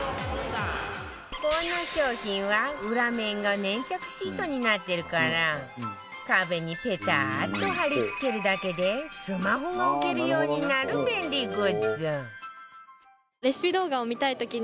この商品は裏面が粘着シートになってるから壁にペタッと貼り付けるだけでスマホが置けるようになる便利グッズ